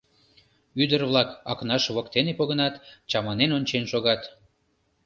Ӱдыр-влак Акнаш воктеке погынат, чаманен ончен шогат.